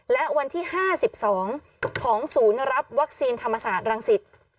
และวันที่๕๒ของศูนย์รับวัคซีนธรรมศาสตร์รังสิต